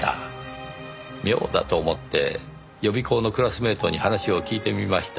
妙だと思って予備校のクラスメートに話を聞いてみました。